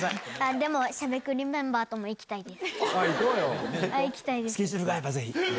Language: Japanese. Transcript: でも、しゃべくりメンバーとも行きたいです。